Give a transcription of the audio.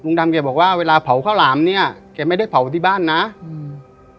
ดำแกบอกว่าเวลาเผาข้าวหลามเนี้ยแกไม่ได้เผาที่บ้านนะอืม